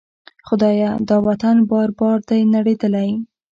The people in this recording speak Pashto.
خدایه! دا وطن بار بار دی نړیدلی